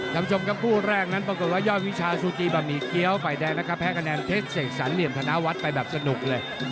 ดำชมกับคู่แรกนั้นปรากฎว่าย่อยวิชาซูจิบะหมี่เคี้ยวไฟแดงแพ้คะแนนเทศเสกสรรเหลี่ยมธนาวัฒน์ไปแบบสนุกเลย